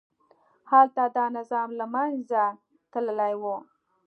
هلته دا نظام له منځه تللي وو.